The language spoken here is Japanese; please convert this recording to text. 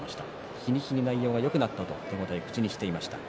日に日に内容がよくなったと手応えを口にしていました。